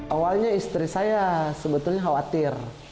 awalnya istri saya sebetulnya khawatir